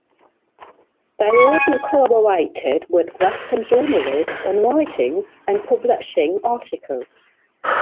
They often collaborated with Western journalists on writing and publishing articles.